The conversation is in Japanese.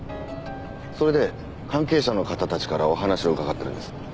それで関係者の方たちからお話を伺っているんです。